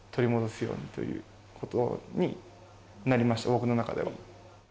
僕の中では。